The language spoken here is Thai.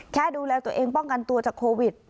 แค่ดูแลตัวเองป้องกันตัวจากโควิด